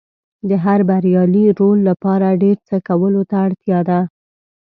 د هر بریالي رول لپاره ډېر څه کولو ته اړتیا ده.